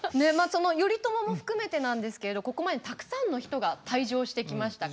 その頼朝も含めてなんですけれどここまでたくさんの人が退場してきました